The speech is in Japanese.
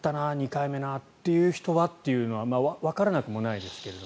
２回目なという人というのはわからなくもないですが。